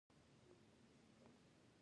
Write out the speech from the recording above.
انټرنیټ په کتابتون کې وړیا دی.